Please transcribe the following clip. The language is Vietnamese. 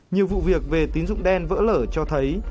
nhiều vụ việc về tín dụng đen vỡ lở cho thấy